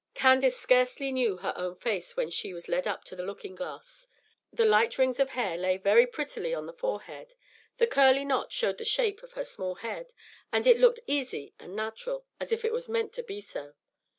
Candace scarcely knew her own face when she was led up to the looking glass. The light rings of hair lay very prettily on the forehead, the "curly knot" showed the shape of the small head; it all looked easy and natural, and as if it was meant to be so.